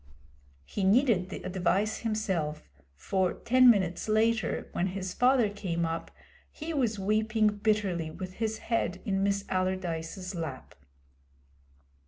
He needed the advice himself, for ten minutes later, when his father came up, he was weeping bitterly with his head in Miss Allardyce's lap.